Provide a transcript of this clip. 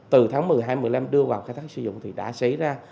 từ tháng một mươi một mươi năm đưa vào khai thác sử dụng thì đã xế ra